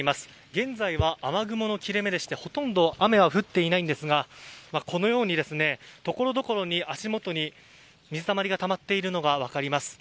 現在は雨雲の切れ目でしてほとんど雨は降っていないんですがこのように、とこどころに足元に水たまりがたまっているのが分かります。